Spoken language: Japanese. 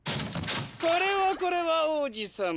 これはこれは王子さま。